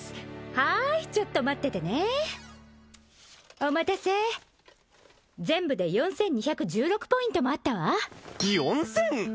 はーいちょっと待っててねお待たせ全部で４２１６ポイントもあったわ４０００！？